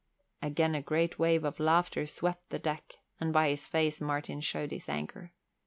Again a great wave of laughter swept the deck and by his face Martin showed his anger.